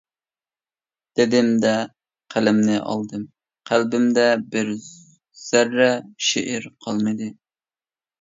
دېدىم-دە، قەلەمنى ئالدىم، قەلبىمدە بىر زەررە شېئىر قالمىدى.